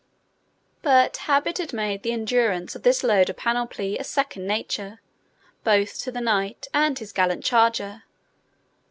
But habit had made the endurance of this load of panoply a second nature, both to the knight and his gallant charger.